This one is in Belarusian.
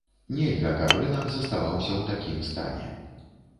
Нельга, каб рынак заставаўся ў такім стане.